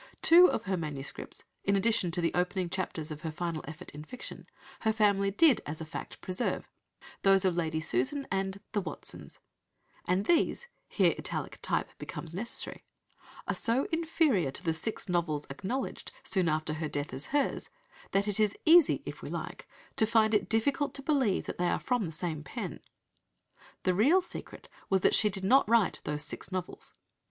Two of her MSS. (in addition to the opening chapters of her final effort in fiction) her family did, as a fact, preserve, those of Lady Susan and The Watsons, and these (here italic type becomes necessary) are so inferior to the six novels acknowledged, soon after her death, as hers, that it is easy (if we like) to find it difficult to believe that they are from the same pen! The real secret was that she did not write those six novels.